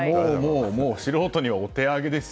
もう素人にはお手上げですよ。